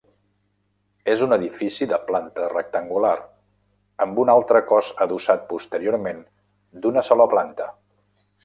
És un edifici de planta rectangular, amb un altre cos adossat posteriorment d'una sola planta.